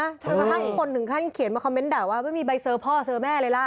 จนกระทั่งคนถึงขั้นเขียนมาคอมเมนต์ด่าว่าไม่มีใบเซอร์พ่อเซอร์แม่เลยล่ะ